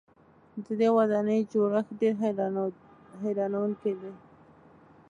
د دې ودانۍ جوړښت ډېر حیرانوونکی دی.